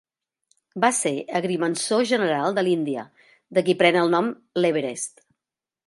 Va ser agrimensor general de l'Índia, de qui pren el nom l'Everest.